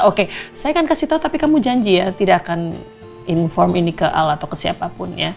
oke saya akan kasih tau tapi kamu janji ya tidak akan inform ini ke al atau ke siapapun ya